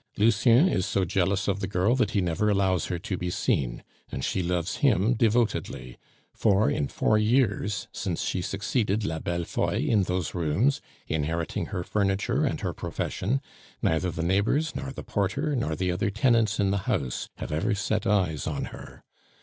"Lucien is so jealous of the girl that he never allows her to be seen; and she loves him devotedly; for in four years, since she succeeded la Bellefeuille in those rooms, inheriting her furniture and her profession, neither the neighbors, nor the porter, nor the other tenants in the house have ever set eyes on her.